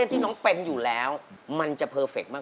จริงแล้วเนี่ยนะ